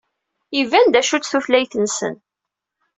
Iban d acu-tt tutlayt-nsen.